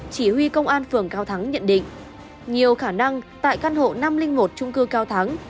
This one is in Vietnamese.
chỉ huy công an phường cao thắng nhận định nhiều khả năng tại căn hộ năm trăm linh một trung cư cao thắng